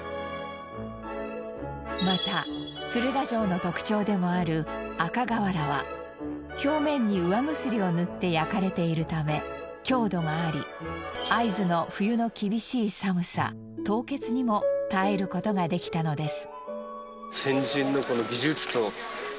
また鶴ヶ城の特徴でもある赤瓦は表面にうわぐすりを塗って焼かれているため強度があり会津の冬の厳しい寒さ凍結にも耐える事ができたのです。